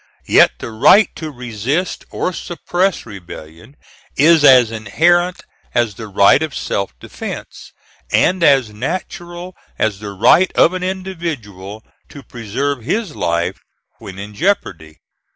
Yet the right to resist or suppress rebellion is as inherent as the right of self defence, and as natural as the right of an individual to preserve his life when in jeopardy.